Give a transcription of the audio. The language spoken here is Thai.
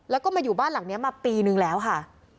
แล้วก็มาอยู่บ้านหลังนี้มาปีนึงแล้วค่ะ